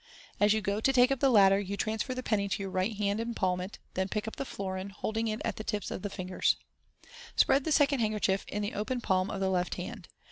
As you go to take up the latter, you transfer the penny to your right hand, and palm it 5 then pick up the florin, holding it at the tips of the fin0 is. Spread the second handkerchief on the open palm of the left hand.